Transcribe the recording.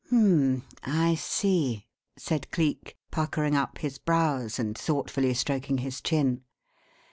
"H'm, I see!" said Cleek, puckering up his brows and thoughtfully stroking his chin.